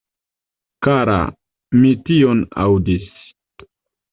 Kara, mi tion aŭdis.